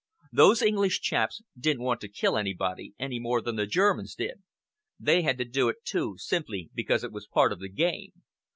Those English chaps didn't want to kill anybody, any more than the Germans did. They had to do it, too, simply because it was part of the game.